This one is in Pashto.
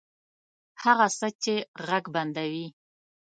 هغه څه چې ږغ بندوي